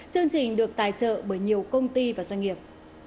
chương trình được tài trợ bởi nhiều công ty và doanh nghiệp